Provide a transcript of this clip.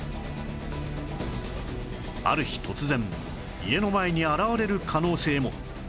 ある日突然家の前に現れる可能性も